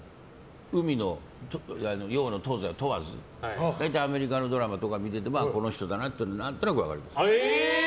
洋、東西を問わず大体アメリカのドラマとか見ててこの人だなって何となく分かります。